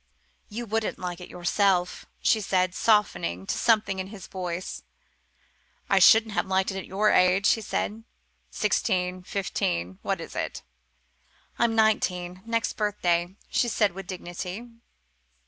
"You wouldn't like it yourself," she said, softening to something in his voice. "I shouldn't have liked it at your age," he said; "sixteen fifteen what is it?" "I'm nineteen next birthday," she said with dignity.